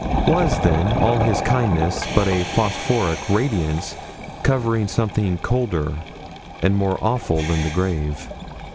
Was, then, all his kindness but a phosphoric radiance covering something colder and more awful than the grave?